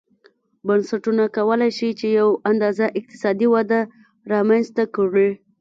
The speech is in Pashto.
بنسټونه کولای شي چې یوه اندازه اقتصادي وده رامنځته کړي.